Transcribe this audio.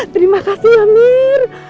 terima kasih mir